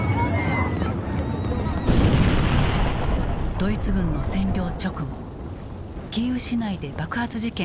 ドイツ軍の占領直後キーウ市内で爆発事件が続発。